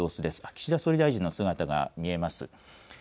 岸田総理大臣の姿が見えます。